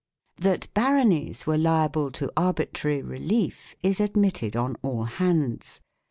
That "baronies" were liable to arbitrary relief is admitted on all hands.